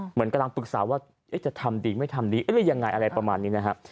เหมือนกำลังปรึกษาว่าจะทำดีไม่ทำดีหรือยังไงอะไรประมาณนี้นะฮะ